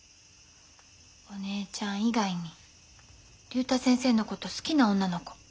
お姉ちゃん以外に竜太先生のこと好きな女の子。